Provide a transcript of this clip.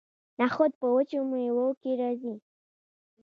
نخود په وچو میوو کې راځي.